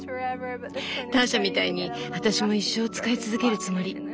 ターシャみたいに私も一生使い続けるつもり。